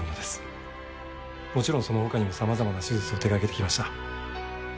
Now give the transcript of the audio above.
もちろんその他にも様々な手術を手がけてきました。